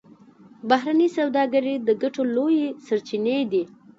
بهرنۍ سوداګري د ګټو لویې سرچینې دي